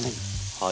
はい。